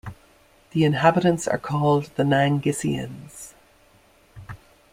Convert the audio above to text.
The inhabitants are called the "Nangissiens".